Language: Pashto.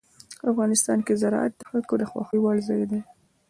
افغانستان کې زراعت د خلکو د خوښې وړ ځای دی.